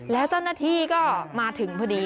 แล้วเจ้าหน้าที่ก็มาถึงพอดี